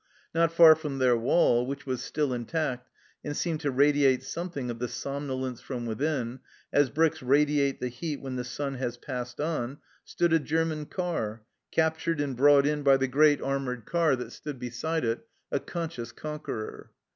Not far from their wall, which was still intact and seemed to radiate something of the somnolence from within, as bricks radiate the heat when the sun has passed on, stood a German car, captured and brought in by the great armoured car A BACKWATER. Photo by A. Bailey* THE START 17 that stood beside it a conscious conqueror.